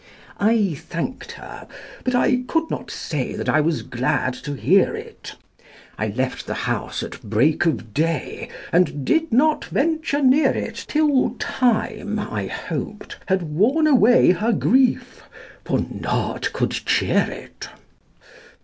I thanked her, but I could not say That I was glad to hear it: I left the house at break of day, And did not venture near it Till time, I hoped, had worn away Her grief, for nought could cheer it!